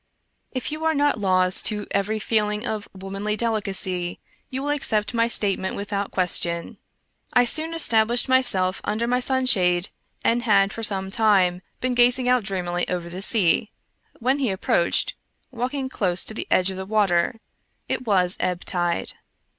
If you are not lost to every feeling of womanly delicacy you will accept my statement without question. I soon established myself under my sun shade and had for some time been gazing out dreamily over the sea, when he approached, walking close to the edge of the w^ater — it was ebb tide.